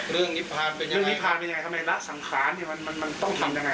เรื่องนิพพานเป็นยังไงทำไมละสังขารมันต้องทำยังไง